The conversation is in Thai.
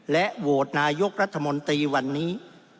โหวตนายกรัฐมนตรีวันนี้